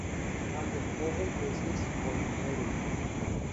Handle all cases involving labor law.